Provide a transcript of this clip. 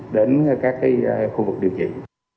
đến các khu vực bệnh nhân